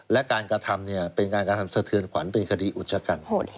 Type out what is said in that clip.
และการกระทำเป็นการกระทำสะเทือนขวัญเป็นคดีอุจจกรรม